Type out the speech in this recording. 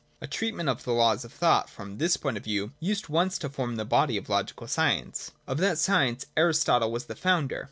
A treatment of the laws of thought, from this point of view, used once to form the body of logical science. Of that science Aristotle was the founder.